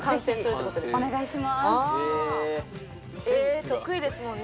ぜひお願いします